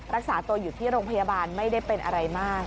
รักษาตัวอยู่ที่โรงพยาบาลไม่ได้เป็นอะไรมาก